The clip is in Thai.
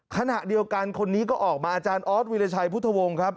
ขณะเดียวกันคนนี้ก็ออกมาอาจารย์ออสวิรชัยพุทธวงศ์ครับ